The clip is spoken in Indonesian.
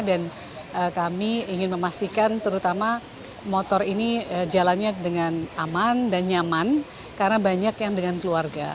dan kami ingin memastikan terutama motor ini jalannya dengan aman dan nyaman karena banyak yang dengan keluarga